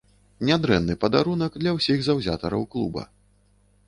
Нядрэнны падарунак для ўсіх заўзятараў клуба.